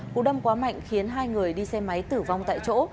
cụ đâm quá mạnh khiến hai người đi xe máy tử vong tại chỗ